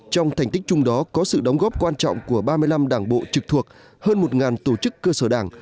trong thành tích chung đó có sự đóng góp quan trọng của ba mươi năm đảng bộ trực thuộc hơn một tổ chức cơ sở đảng